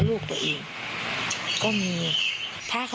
แล้วก็บีบคอพี่สาว